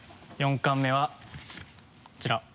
４貫目はこちら。